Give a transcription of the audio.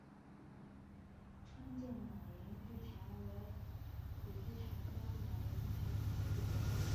川滇马铃苣苔为苦苣苔科马铃苣苔属下的一个种。